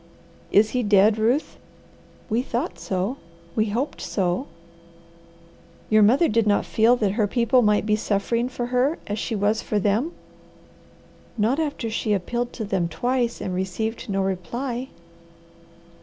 "Is he dead, Ruth?" "We thought so. We hoped so." "Your mother did not feel that her people might be suffering for her as she was for them?" "Not after she appealed to them twice and received no reply."